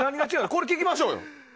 これ聞きましょうよ。